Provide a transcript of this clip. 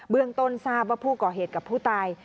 เรื่องต้นทราบว่าผู้ก่อเหตุกับผู้ตาย